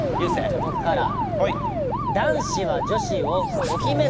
じゃあ僕から。